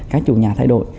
các chủ nhà thay đổi